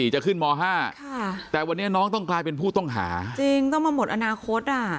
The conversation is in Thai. จะขึ้นม๕แต่วันนี้น้องต้องกลายเป็นผู้ต้องหาจริงต้องมาหมดอนาคตอ่ะ